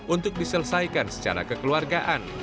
untuk diselesaikan secara kekeluargaan